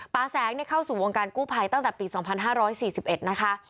แสงเข้าสู่วงการกู้ภัยตั้งแต่ปี๒๕๔๑นะคะ